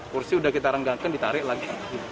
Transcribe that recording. kursi udah ditarik tarik lagi